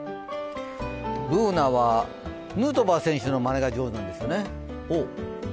Ｂｏｏｎａはヌートバー選手のまねが上手なんですよね。